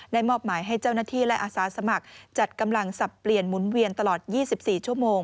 มอบหมายให้เจ้าหน้าที่และอาสาสมัครจัดกำลังสับเปลี่ยนหมุนเวียนตลอด๒๔ชั่วโมง